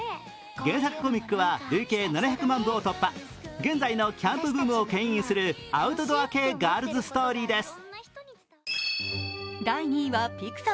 原作コミックは累計７００万部を突破現在のキャンプブームをけん引するアウトドア系ガールズストーリーです。